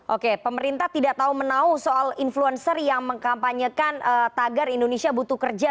oke pemerintah tidak tahu menau soal influencer yang mengkampanyekan tagar indonesia butuh kerja